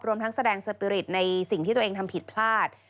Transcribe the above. ทั้งแสดงสปีริตในสิ่งที่ตัวเองทำผิดพลาด